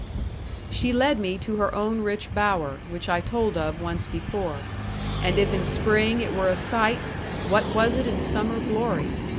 She led me to her own rich bower, which I told of once before; and if in spring it were a sight, what was it in summer glory?